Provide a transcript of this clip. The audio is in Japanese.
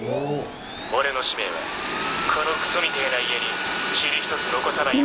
俺の使命はこのクソみたいな家に塵一つ残さない。